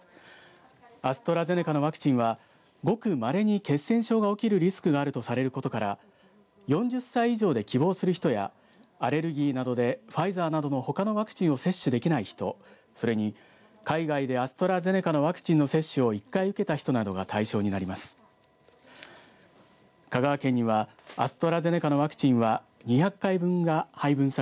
アストラゼネカのワクチンはごくまれに血栓症が起きるリスクがあるとされることから４０歳以上で希望する人やアレルギーなどでファイザーなどのほかのワクチンを接種できない人、それに海外でアストラゼネカのワクチンの接種を１回受けた人などが対象になります。